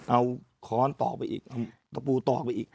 เอาค้อนต่อไปอีกเอาตะปูตอกไปอีก